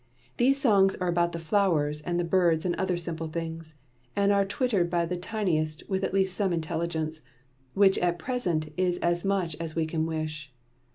These songs are about the flowers and the birds and other simple things, and are twittered by the tiniest with at least some intelligence, which at present is as much as we can wish.